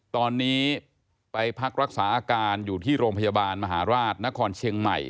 ตอนนี้ไปพักรักษาอาการอยู่ที่โรงพยาบาลมหาราชนครเชียงใหม่